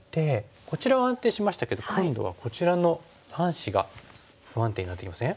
こちらは安定しましたけど今度はこちらの３子が不安定になってきません？